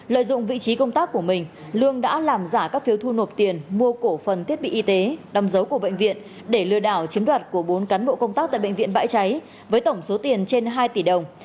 lợi dụng vị trí công tác của mình lương đã làm giả các phiếu thu nộp tiền mua cổ phần thiết bị y tế đóng dấu của bệnh viện để lừa đảo chiếm đoạt của bốn cán bộ công tác tại bệnh viện bãi cháy với tổng số tiền trên hai tỷ đồng